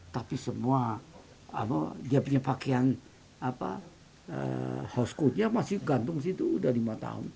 tapi semua dia punya pakaian apa host cootnya masih gantung situ udah lima tahun